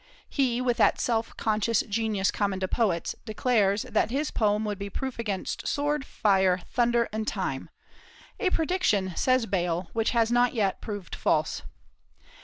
He, with that self conscious genius common to poets, declares that his poem would be proof against sword, fire, thunder, and time, a prediction, says Bayle, which has not yet proved false.